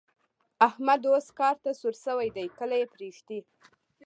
احمد اوس کار ته سور شوی دی؛ کله يې پرېږدي.